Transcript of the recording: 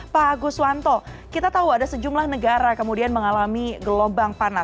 pak agus wanto kita tahu ada sejumlah negara kemudian mengalami gelombang panas